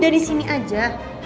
dia disini aja